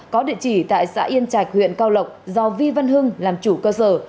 có địa chỉ tại xã yên chạch huyện cao lộc do vi văn hưng làm chủ cơ sở